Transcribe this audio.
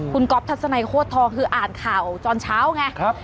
คุณก๊อฟทัศนัยโคตรทองคืออ่านข่าวตอนเช้าไง